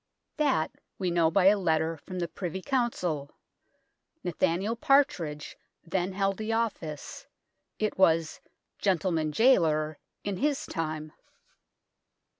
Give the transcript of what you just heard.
That we know by a letter from the Privy Council. Nathaniel Partridge then held the office it was " Gentleman Jailer " in his 126 THE TOWER OF LONDON time.